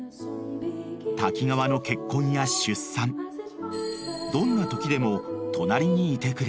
［滝川の結婚や出産どんなときでも隣にいてくれた］